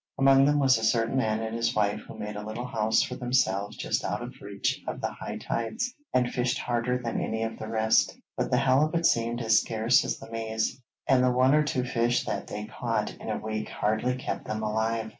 Among them was a certain man and his wife who made a little house for themselves just out of reach of the high tides, and fished harder than any of the rest; but the halibut seemed as scarce as the maize, and the one or two fish that they caught in a week hardly kept them alive.